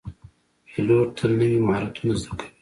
پیلوټ تل نوي مهارتونه زده کوي.